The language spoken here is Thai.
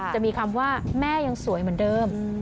จะมีคำว่าแม่ยังสวยเหมือนเดิม